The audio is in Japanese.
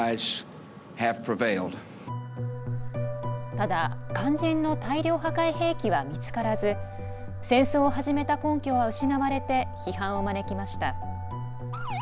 ただ、肝心の大量破壊兵器は見つからず戦争を始めた根拠は失われて批判を招きました。